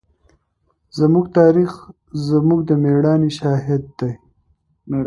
زموږ تاریخ زموږ د مېړانې شاهد دی.